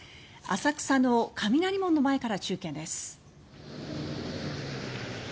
浅草の雷門の前から中継です。